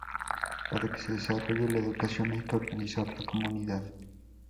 Para que se desarrolle la educación hay que organizar la comunidad.